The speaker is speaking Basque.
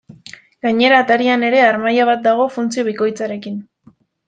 Gainera, atarian ere harmaila bat dago funtzio bikoitzarekin.